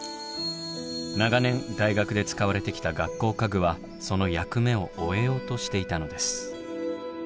長年大学で使われてきた学校家具はその役目を終えようとしていたのです。